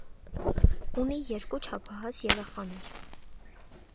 Ունի երկու չափահաս երեխաներ։